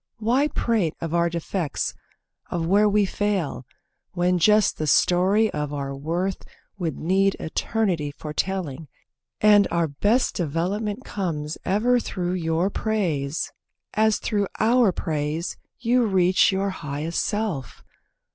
Why prate of our defects, of where we fail, When just the story of our worth would need Eternity for telling, and our best Development comes ever through your praise, As through our praise you reach your highest self?